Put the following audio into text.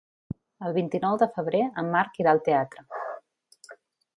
El vint-i-nou de febrer en Marc irà al teatre.